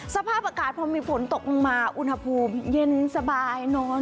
สภาพอากาศพอมีฝนตกลงมาอุณหภูมิเย็นสบายนอน